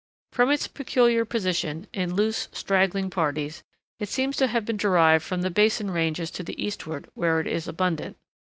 From its peculiar position, in loose, straggling parties, it seems to have been derived from the Basin ranges to the eastward, where it is abundant.